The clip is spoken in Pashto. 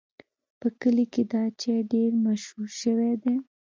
په کلي کې دا چای ډېر مشهور شوی دی.